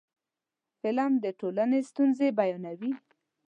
فلم د ټولنې ستونزې بیانوي